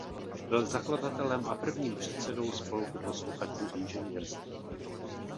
Byl zakladatelem a prvním předsedou "Spolku posluchačů inženýrství".